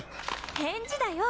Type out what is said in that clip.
返事だよ。